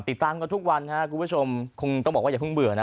ติดตามกันทุกวันครับคุณผู้ชมคงต้องบอกว่าอย่าเพิ่งเบื่อนะ